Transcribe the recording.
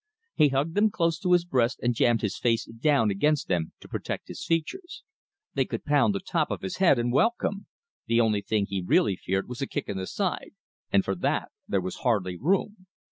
He hugged them close to his breast, and jammed his face down against them to protect his features. They could pound the top of his head and welcome. The only thing he really feared was a kick in the side, and for that there was hardly room.